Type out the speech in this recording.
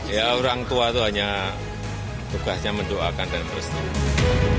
ya orang tua itu hanya tugasnya mendoakan dan bersetujuan